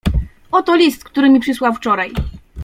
"Oto list, który mi przysłał wczoraj."